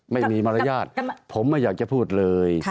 ไม่มีมารยาทผมไม่อยากจะพูดเลย